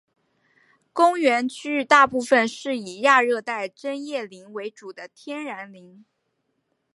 公园区域大部分是以亚寒带针叶林为主的天然林。